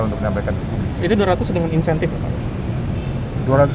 untuk menambahkan jadi dua ratus dengan insentif